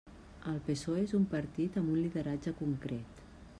El PSOE és un partit amb un lideratge concret.